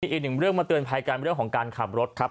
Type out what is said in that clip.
อีกหนึ่งเรื่องมาเตือนภัยกันเรื่องของการขับรถครับ